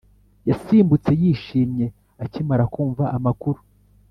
yasimbutse yishimye akimara kumva amakuru.